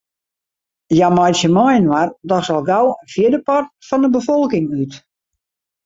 Hja meitsje mei-inoar dochs al gau in fjirdepart fan 'e befolking út.